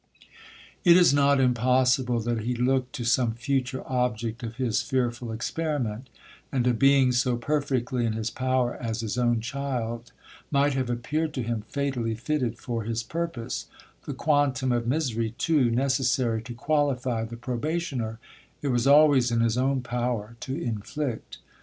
'It is not impossible that he looked to some future object of his fearful experiment—and a being so perfectly in his power as his own child, might have appeared to him fatally fitted for his purpose—the quantum of misery, too, necessary to qualify the probationer, it was always in his own power to inflict.